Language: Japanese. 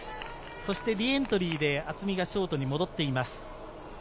そしてリエントリーで渥美がショートに戻っています。